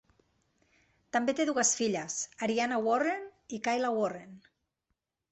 També té dues filles, Ariana Warren i Kayla Warren.